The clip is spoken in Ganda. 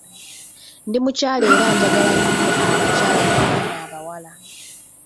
Ndi mukyala era njagala nnyo abakyala n’abaana abawala.